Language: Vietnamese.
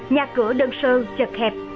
nhà cửa đơn sơ chật hẹp